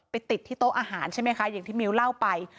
ติดที่โต๊ะอาหารใช่ไหมคะอย่างที่มิ้วเล่าไป